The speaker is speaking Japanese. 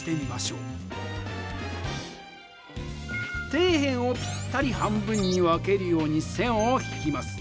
底辺をピッタリ半分に分けるように線を引きます。